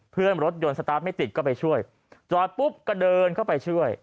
รถยนต์สตาร์ทไม่ติดก็ไปช่วยจอดปุ๊บก็เดินเข้าไปช่วย